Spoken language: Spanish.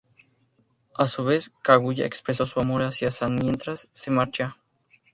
A su vez, Kaguya expresa su amor hacia San mientras se marcha.